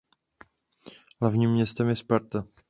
Hlavním městem je Sparta.